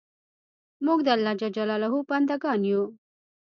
موږ د الله ج بندګان یو